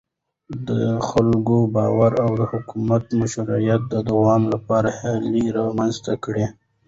ده د خلکو باور او د حکومت مشروعيت د دوام لپاره هيلې رامنځته کړې.